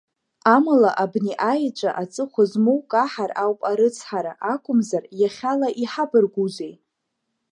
Амала, абни аеҵәа аҵыхәа змоу каҳар ауп арыцҳара, акәымзар, иахьала иҳабаргәузеи!